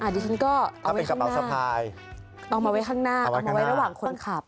ดิฉันก็เอาไว้ข้างหน้าเอาไว้ระหว่างคนขับสะพายข้างเอาไว้ระหว่างคนขับ